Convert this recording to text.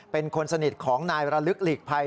เป็นคนสนิทของนายระลึกหลีกภัย